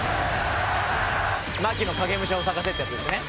牧の影武者を探せってやつですね。